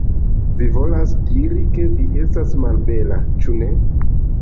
Vi volas diri, ke vi estas malbela, ĉu ne?